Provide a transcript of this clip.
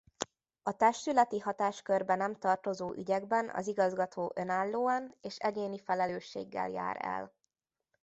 A testületi hatáskörbe nem tartozó ügyekben az igazgató önállóan és egyéni felelősséggel jár el.